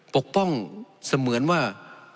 ปกป้องเสมือนว่า